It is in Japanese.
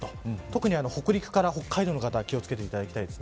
特に北陸から北海道の方は気を付けてください。